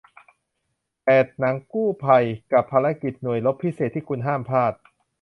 แปด หนังกู้ภัย กับภารกิจหน่วยรบพิเศษที่คุณห้ามพลาด